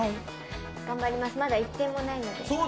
頑張ります、まだ１点もないので。